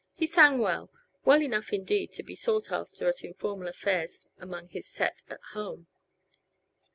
He sang well well enough indeed to be sought after at informal affairs among his set at home.